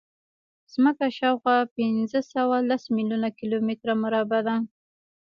ځمکه شاوخوا پینځهسوهلس میلیونه کیلومتره مربع ده.